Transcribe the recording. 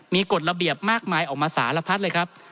มีกฎระเบียบมากมายออกมาสารพัดเลยครับ